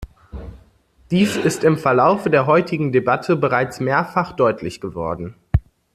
Dies ist im Verlaufe der heutigen Debatte bereits mehrfach deutlich geworden.